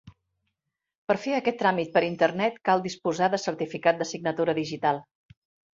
Per fer aquest tràmit per internet cal disposar de certificat de signatura digital.